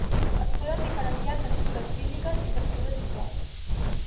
Es poden diferenciar en textures físiques i textures visuals.